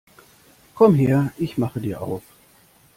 Komm her, ich mache dir auf!